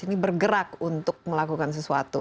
ini bergerak untuk melakukan sesuatu